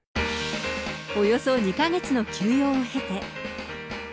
およそ２か月の休養を経て。